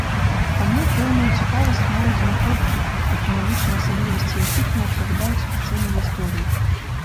Таму, пэўную цікавасць маюць знаходкі, тэхналагічныя асаблівасці якіх не адпавядаюць афіцыйнай гісторыі.